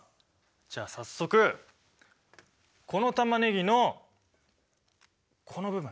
じゃあ早速このタマネギのこの部分。